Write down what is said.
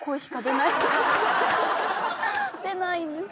出ないんです。